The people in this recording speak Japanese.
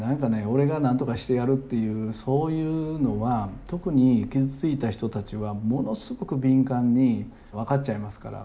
「俺がなんとかしてやる」っていうそういうのは特に傷ついた人たちはものすごく敏感に分かっちゃいますから。